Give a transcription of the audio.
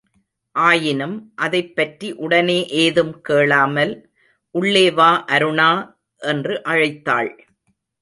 ஆயினும் அதைப் பற்றி உடனே ஏதும் கேளாமல், உள்ளே வா அருணா, என்று அழைத்தாள்.